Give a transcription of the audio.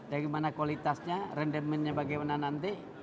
bagaimana kualitasnya rendemennya bagaimana nanti